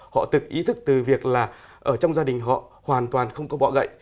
họ tự ý thức từ việc là ở trong gia đình họ hoàn toàn không có bọ gậy